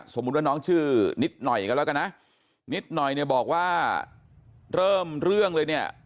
สมมุติว่าน้องชื่อนิดหน่อยกันแล้วกันนะนิดหน่อยเนี่ยบอกว่าเริ่มเรื่องเลยเนี่ย